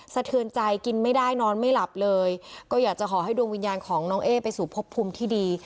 สะเทือนใจกินไม่ได้นอนไม่หลับเลยก็อยากจะขอให้ดวงวิญญาณของน้องเอ๊ไปสู่พบภูมิที่ดี